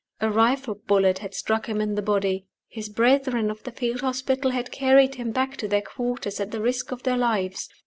A rifle bullet had struck him in the body. His brethren of the field hospital had carried him back to their quarters at the risk of their lives.